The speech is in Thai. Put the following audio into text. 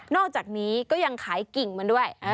อกจากนี้ก็ยังขายกิ่งมันด้วย